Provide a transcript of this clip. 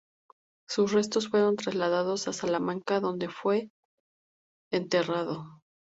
Sus restos fueron trasladados a Salamanca donde fue enterrado.